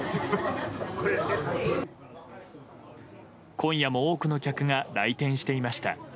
今夜も多くの客が来店していました。